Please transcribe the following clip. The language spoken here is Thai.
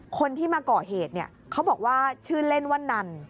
คนที่มาก่อเหตุเนี่ยเขาบอกว่าชื่อเล่นว่านัน